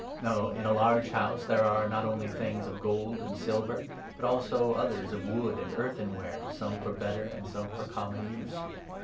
Now in a large house there are not only things of gold and 20 silver, but also others of wood and earthenware, some for better and some for common use.